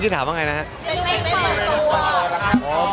เปิดตัวละครับ